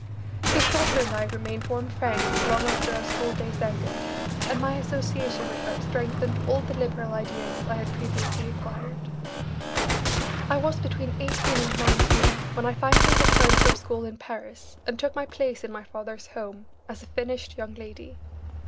His daughter and I remained warm friends long after our school days ended, and my association with her strengthened all the liberal ideas I had previously acquired. I was between eighteen and nineteen when I finally returned from school in Paris and took my place in my father's home as a finished young lady.